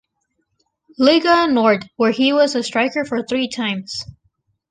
Liga Nord, where he was a striker for three times.